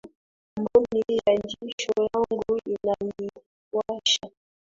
Mboni ya jicho langu inaniwasha.